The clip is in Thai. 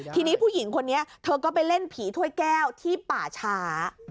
ทีนี้ผู้หญิงคนนี้เธอก็ไปเล่นผีถ้วยแก้วที่ป่าช้า